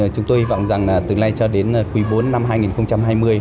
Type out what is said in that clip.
chúng tôi hy vọng rằng từ nay cho đến quý bốn năm hai nghìn hai mươi